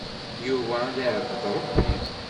Yuba ad yeɛbed Ṛebbi.